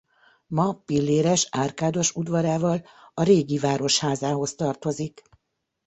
Ma pilléres-árkádos udvarával a régi városházához tartozik.